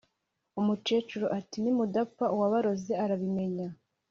Umukecuru ati"nimudapfa uwabaroze arabimenya